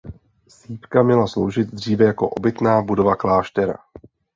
Sýpka měla sloužit dříve jako obytná budova kláštera.